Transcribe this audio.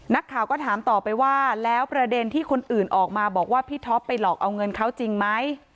นักข่าวก็ถามต่อไปว่าแล้วประเด็นที่คนอื่นออกมาบอกว่าพี่ท็อปไปหลอกเอาเงินเขาจริงไหม